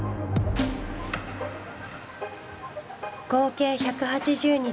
合計１８０日